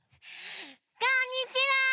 こんにちは！